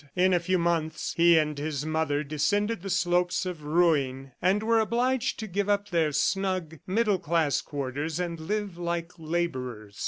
In a few months, he and his mother descended the slopes of ruin, and were obliged to give up their snug, middle class quarters and live like laborers.